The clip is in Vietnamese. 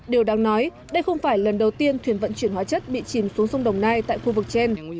điều đáng nói đây không phải lần đầu tiên thuyền vận chuyển hóa chất bị chìm xuống sông đồng nai tại khu vực trên